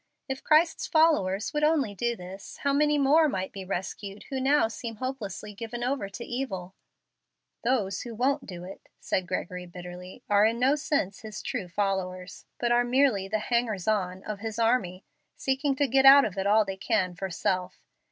If Christ's followers would only do this, how many more might be rescued who now seem hopelessly given over to evil!" "Those who won't do it," said Gregory, bitterly, "are in no sense His true followers, but are merely the 'hangers on' of His army, seeking to get out of it all they can for self.